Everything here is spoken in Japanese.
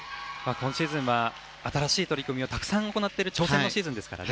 今シーズンは新しい取り組みをたくさん行っている挑戦のシーズンですからね。